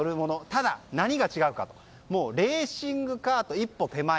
ただ、何が違うのかというともうレーシングカート一歩手前。